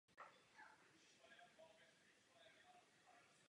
Vilém byl nejmladším synem Gerharda z Kunštátu.